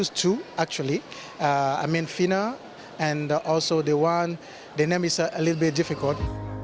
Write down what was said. maksud saya fina dan juga yang lain namanya agak sulit